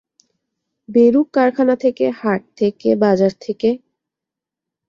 বেরুক কারখানা থেকে, হাট থেকে, বাজার থেকে।